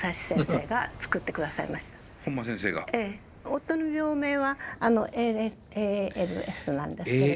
夫の病名はＡＬＳなんですけど。